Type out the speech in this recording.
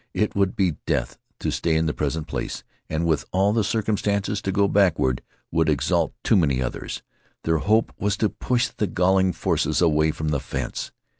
It would be death to stay in the present place, and with all the circumstances to go backward would exalt too many others. Their hope was to push the galling foes away from the fence.